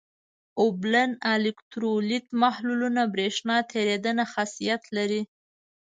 اوبلن الکترولیت محلولونه برېښنا تیریدنه خاصیت لري.